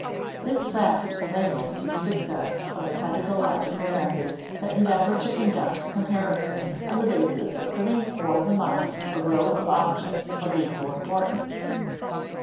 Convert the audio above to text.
This fact is fatal to the success of the pedagogical methods that endeavor to conduct comparison on the basis of putting before the mind a row of objects of equal importance.